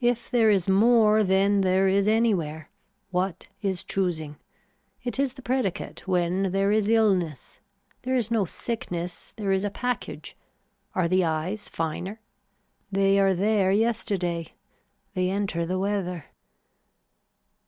If there is more then there is anywhere. What is choosing. It is the predicate when there is illness. There is no sickness there is a package. Are the eyes finer. They are there yesterday. They enter the weather.